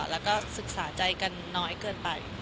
แล้วก็ศึกษาใจกันน้อยเกินไป